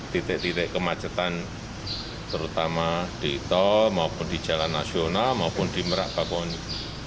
tetapi tetapi kemacetan terutama di tol maupun di jalan nasional maupun di merak bakoheni